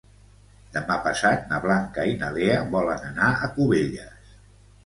Demà passat na Blanca i na Lea volen anar a Cubelles.